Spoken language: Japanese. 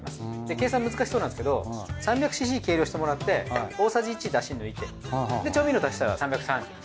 計算難しそうなんですけど３００ｃｃ計量してもらって大さじ１だし抜いてで調味料足したら３３０。